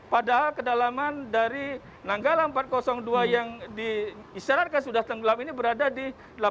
padahal kedalaman dari nanggala empat ratus dua yang diserahkan sudah tenggelam ini berada di delapan ratus tiga puluh delapan